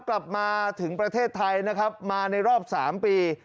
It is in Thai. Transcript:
กลับมาถึงประเทศไทยนะครับมาในรอบ๓ปี